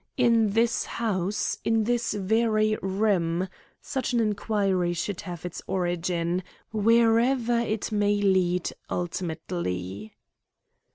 In this house, in this very room, such an inquiry should have its origin, wherever it may lead ultimately."